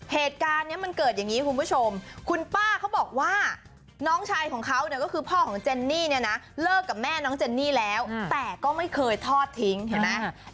เหตุการณ์นี้มันเกิดอย่างนี้คุณผู้ชมคุณป้าเขาบอกว่าน้องชายของเขาเนี่ยก็คือพ่อของเจนนี่เนี่ยนะเลิกกับแม่น้องเจนนี่แล้วแต่ก็ไม่เคยทอดทิ้งเห็นไหม